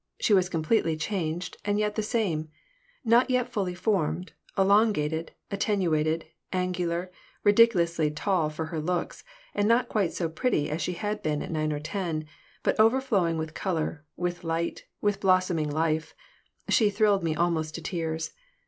She was completely changed and yet the same. Not yet fully formed, elongated, attenuated, angular, ridiculously too tall for her looks, and not quite so pretty as she had been at nine or ten, but overflowing with color, with light, with blossoming life, she thrilled me almost to tears.